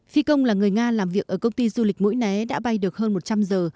phi công là người nga làm việc ở công ty du lịch mũi né đã bay được hơn một trăm linh giờ